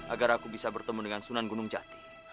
agar aku bisa bertemu dengan sunan gunung jati